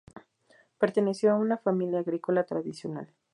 Perteneció a una familia agrícola tradicional.